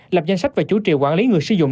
lập danh sách và chủ trì quản lý người sử dụng